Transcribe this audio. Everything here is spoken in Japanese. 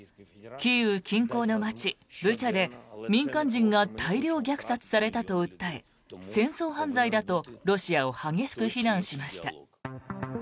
キーウ近郊の街ブチャで民間人が大量虐殺されたと訴え戦争犯罪だとロシアを激しく非難しました。